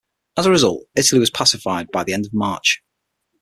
As a result, Italy was pacified by the end of March.